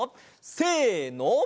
せの。